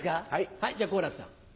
はいじゃあ好楽さん。